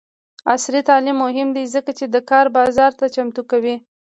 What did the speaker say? عصري تعلیم مهم دی ځکه چې د کار بازار ته چمتو کوي.